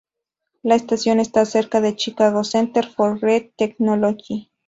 La estación está cerca del Chicago Center for Green Technology.